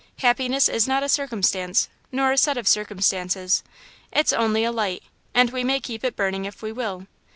Happiness is not a circumstance, nor a set of circumstances; it's only a light, and we may keep it burning if we will.